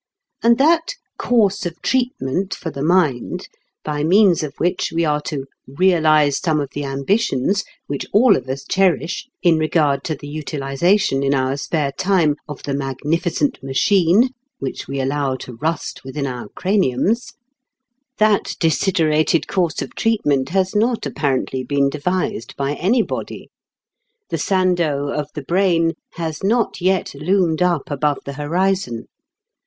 And that "course of treatment for the mind," by means of which we are to "realize some of the ambitions which all of us cherish in regard to the utilization in our spare time of the magnificent machine which we allow to rust within our craniums" that desiderated course of treatment has not apparently been devised by anybody. The Sandow of the brain has not yet loomed up above the horizon.